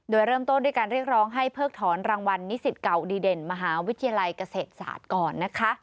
โดยเริ่มต้นด้วยการเรียกร้องให้เพิกถอนรางวัลนิสิตเก่าดีเด่นมหาวิทยาลัยเกษตรศาสตร์ก่อนนะคะ